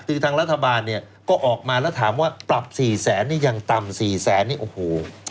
คือทางรัฐบาลก็ออกมาแล้วถามว่าปรับ๔๐๐๐๐๐นี่ยังตำ๔๐๐๐๐๐นี่โอ้โห